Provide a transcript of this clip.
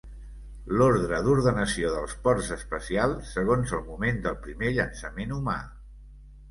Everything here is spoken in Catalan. L'ordre d'ordenació dels ports espacial segons el moment del primer llançament humà.